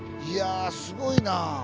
いやすごいなあ。